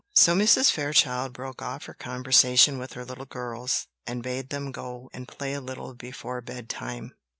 So Mrs. Fairchild broke off her conversation with her little girls, and bade them go and play a little before bedtime.